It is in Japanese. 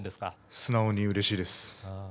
素直にうれしいです。